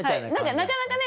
なかなかね